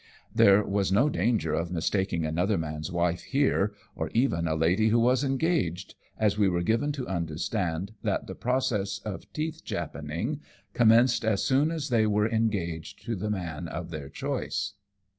There was no danger of mistaking another man's wife here, or even a lady who was engaged, as we were given to understand that the process of teeth japanning oommenced as soon as they were engaged to the man of their choice.